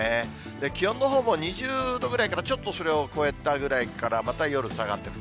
気温のほうも２０度ぐらいから、ちょっとそれを超えたぐらいから、また夜、下がってくる。